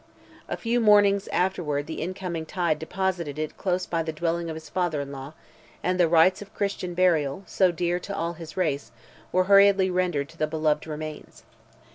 A few mornings afterwards the incoming tide deposited it close by the dwelling of his father in law, and the rites of Christian burial, so dear to all his race, were hurriedly rendered to the beloved remains.